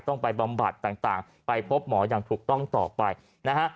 ไปบำบัดต่างไปพบหมออย่างถูกต้องต่อไปนะฮะ